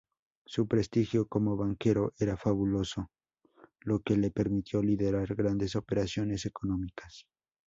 Su prestigio como banquero era fabuloso, lo que le permitió liderar grandes operaciones económicas.